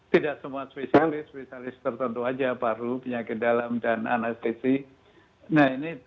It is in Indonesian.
tidak semua spesialis spesialis tertentu saja paru penyakit dalam dan anestesi